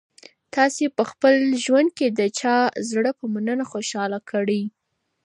تاسي په خپل ژوند کي د چا زړه په مننه خوشاله کړی؟